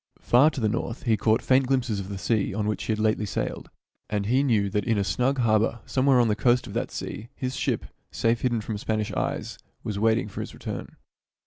Far to the north he caught faint glimpses of the sea on which he had lately sailed, and he knew that in a snug harbor somewhere on the coast of that sea his ship, safe hidden from Spanish eyes, was wa, iting for his return.